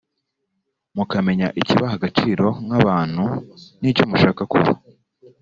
mukamenya ikibaha agaciro nk’abantu n’icyo mushaka kuba